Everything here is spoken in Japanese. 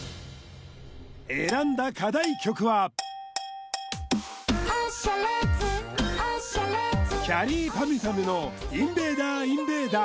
選んだ課題曲はおっしゃＬｅｔ’ｓきゃりーぱみゅぱみゅの「インベーダーインベーダー」